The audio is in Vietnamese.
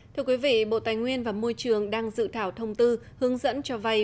thưa quý vị bộ tài nguyên và môi trường đang dự thảo thông tư hướng dẫn cho vay